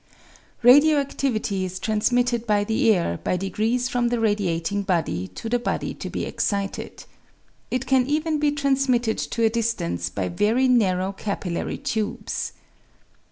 Radio adivity is transmitted by the air by degrees from the radiating body to the body to be excited. It can even be transmitted to a distance by very narrow capillary tubes.